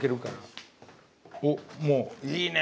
おっもういいね！